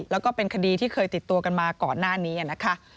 แล้วก็เป็นคดีที่เคยติดตัวกันมาก่อนหน้านี้นะคะ